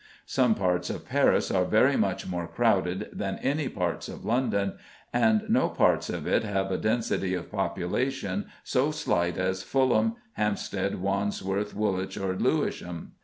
Some parts of Paris are very much more crowded than any parts of London, and no parts of it have a density of population so slight as Fulham, Hampstead, Wandsworth, Woolwich, or Lewisham.